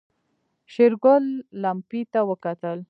شېرګل لمپې ته وکتل.